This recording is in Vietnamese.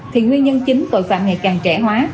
thì nguyên nhân chính tội phạm ngày càng trẻ hóa